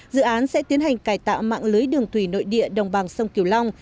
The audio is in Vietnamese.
dự án sẽ tiến hành cải tạo mạng lưới đường thủy nội địa đồng bằng sông kiều long